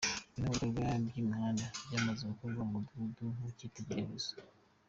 Bimwe mu bikorwa by’imihanda byamazwe gukorwa mu mudugudu w’ikitegererezo.